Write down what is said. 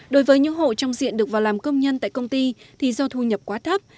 đối với những hộ trong diện được vào làm công nhân tại công ty thì do thu nhập quá thấp